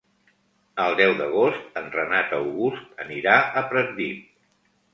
El deu d'agost en Renat August anirà a Pratdip.